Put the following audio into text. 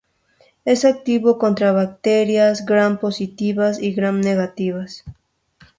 Es activo contra bacterias Gram positivas y Gram negativas.